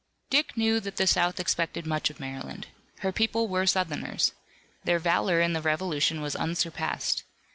Dick knew that the South expected much of Maryland. Her people were Southerners. Their valor in the Revolution was unsurpassed.